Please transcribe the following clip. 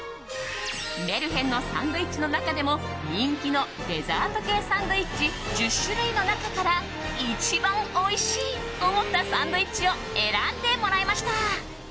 メルヘンのサンドイッチの中でも人気のデザート系サンドイッチ１０種類の中から一番おいしい！と思ったサンドイッチを選んでもらいました。